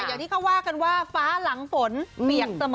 อย่างที่เขาว่ากันว่าฟ้าหลังฝนเปียกเสมอ